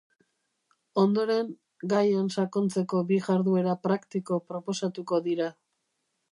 Ondoren, gaian sakontzeko bi jarduera praktiko proposatuko dira.